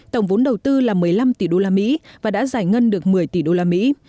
tổng vốn đầu tư là một mươi năm tỷ đô la mỹ và đã giải ngân được một mươi tỷ đô la mỹ